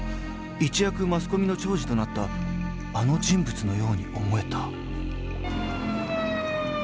一躍マスコミの寵児となったあの人物のように思えた］